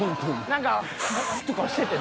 何かふっ！とかしててん。